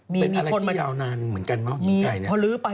เป็นอะไรที่ยาวนานเหมือนกันเนาะหญิงไก่เนี่ย